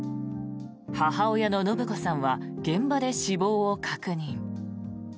母親の延子さんは現場で死亡を確認。